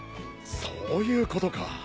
そういうことか。